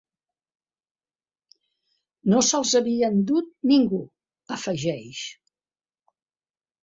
No se'ls havia endut ningú —afegeix—.